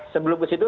sebelum ke situ